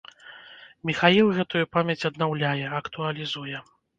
Міхаіл гэтую памяць аднаўляе, актуалізуе.